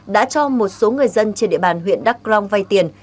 đã cho một số người dân trên địa bàn huyện đắk long vay tiền